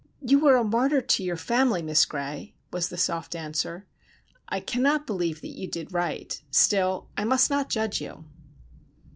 "You were a martyr to your family. Miss Gray," was the soft answer. "I cannot believe that you did right; still, I must not judge you."